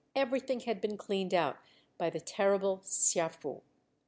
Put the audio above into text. Everything had been cleaned out by the terrible "siafu."